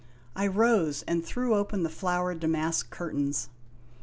I rose and threw open the flowered damask curtains.